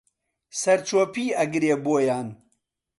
سەرچۆپی ئەگرێ بۆیان